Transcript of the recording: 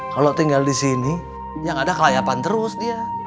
kalau tinggal di sini yang ada kelayapan terus dia